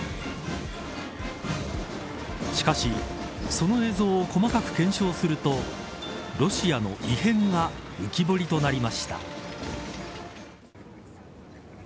しかし、その映像を細かく検証するとロシアの異変が浮き彫りとなりました。